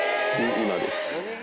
今です。